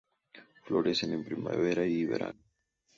Florecen en primavera y verano.